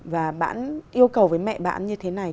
và bạn yêu cầu với mẹ bạn như thế này